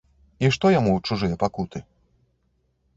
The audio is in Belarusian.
І што яму чужыя пакуты?!